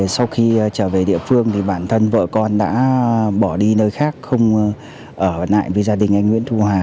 sau khi trở về địa phương thì bản thân vợ con đã bỏ đi nơi khác không ở lại với gia đình anh nguyễn thu hà